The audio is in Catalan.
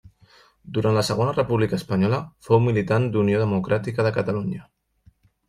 Durant la Segona República Espanyola fou militant d'Unió Democràtica de Catalunya.